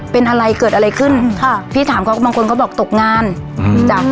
เป็นอะไรเกิดอะไรขึ้นค่ะพี่ถามเขาบางคนเขาบอกตกงานอืมจ้ะ